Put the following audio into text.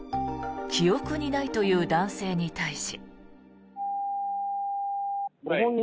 記憶にないという男性に対し。